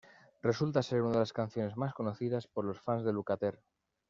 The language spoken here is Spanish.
Resulta ser una de las canciones más conocidas por los fans de Lukather.